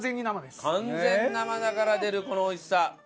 完全生だから出るこの美味しさ。